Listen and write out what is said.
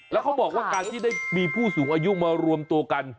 แล้วเขาบอกว่าการที่ได้มีผู้สูงอายุมารวมตัวกัน